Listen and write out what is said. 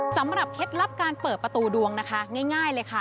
เคล็ดลับการเปิดประตูดวงนะคะง่ายเลยค่ะ